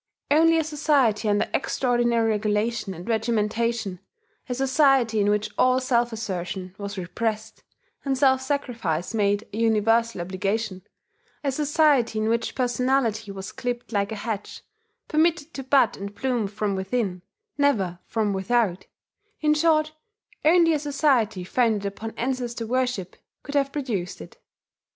Only a society under extraordinary regulation and regimentation, a society in which all self assertion was repressed, and self sacrifice made a universal obligation, a society in which personality was clipped like a hedge, permitted to bud and bloom from within, never from without, in short, only a society founded upon ancestor worship, could have produced it.